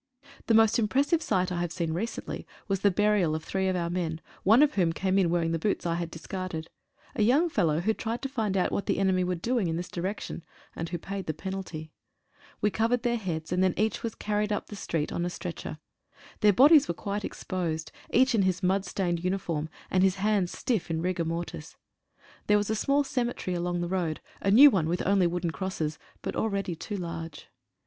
The most impressive sight I have seen recently was the burial of three of our men, one of whom came in wearing the boots I had discarded — a young fellow who tried to find out what the enemy were doing in this di rection, and who paid the penalty. We covered their 36 WAR INCIDENTS. heads, and then each was carried up the road on a stret cher. Their bodies were quite exposed — each in his mud stained uniform, and his hands stiff in rigor mortis. There was a small cemetery along the road, a new one with only wooden crosses, but already too large.